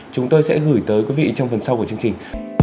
chúng tôi sẽ gửi tới quý vị trong phần sau của chương trình